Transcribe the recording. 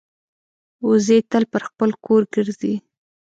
وزې تل پر خپل کور ګرځي